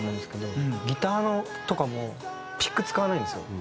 ギターとかもピック使わないんですよ。